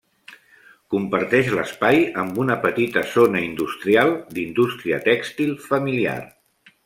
Comparteix l'espai amb una petita zona industrial, d'indústria tèxtil familiar.